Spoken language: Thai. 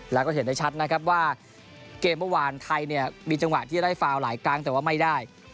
แล้วก็เห็นได้ชัดนะครับว่าเกมเมื่อวานไทยเนี่ยมีจังหวะที่ได้ฟาวหลายครั้งแต่ว่าไม่ได้